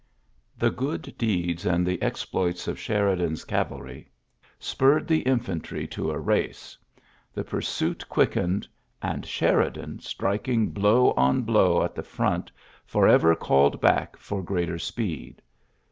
The good deeds and the exploits of Sheridan's cavalry spurred the infantry to a race. The pursuit iiorary i^oiu p^f^ 120 ULYSSES S. GEAOT? quickened ; and Sheridan^ striking blow on blow at the front^ forever called back for greater speed.